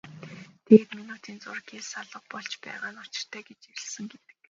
Тэгээд минутын зуур гялс алга болж байгаа нь учиртай гэж ярилцсан гэдэг.